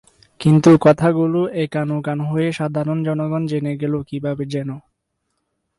কিন্তু কথাগুলো একান-ওকান হয়ে সাধারন জনগণ জেনে গেল কীভাবে যেন।